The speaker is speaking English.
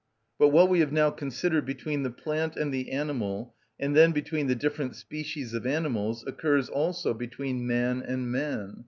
But what we have now considered between the plant and the animal, and then between the different species of animals, occurs also between man and man.